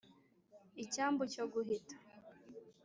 Icyambu cyo guhita